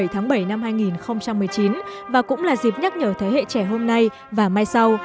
một mươi tháng bảy năm hai nghìn một mươi chín và cũng là dịp nhắc nhở thế hệ trẻ hôm nay và mai sau